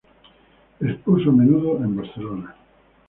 Expuso a menudo en Barcelona.